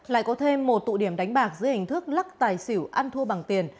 lại có thêm một tụ điểm đánh bạc dưới hình thức lắc tài xỉu ăn thua bằng tiền